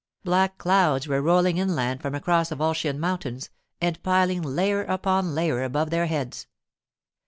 Black clouds were rolling inland from across the Volscian mountains and piling layer upon layer above their heads.